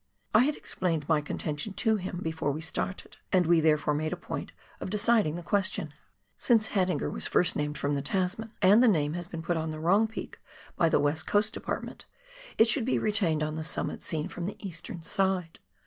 I had explained my contention to him before we started, and we therefore made a point of deciding the question. Since Haidinger was first named from the Tasman, and the name has been put on the wrong peak by the West Coast department, it should be retained on the summit seen from the eastern side.